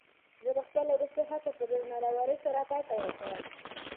زه به خپله وروستۍ هڅه په ډېرې نره ورۍ سره پای ته ورسوم.